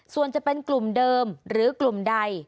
ส่วนจะเป็นกลุ่มเดิมหรือกลุ่มใด